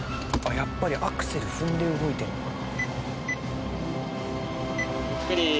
やっぱりアクセル踏んで動いてるのかな。